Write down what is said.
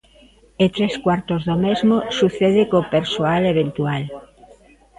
E tres cuartos do mesmo sucede co persoal eventual.